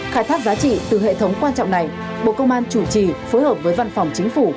khai thác giá trị từ hệ thống quan trọng này bộ công an chủ trì phối hợp với văn phòng chính phủ